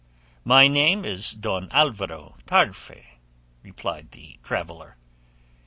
"My name is Don Alvaro Tarfe," replied the traveller.